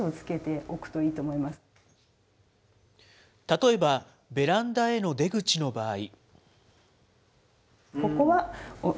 例えば、ベランダへの出口の場合。